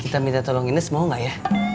kita minta tolong ines mau nggak ya